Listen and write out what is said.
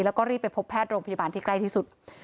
แล้วก็รีบไปพบแพทย์โรงพยาบาลที่ใกล้ที่สุด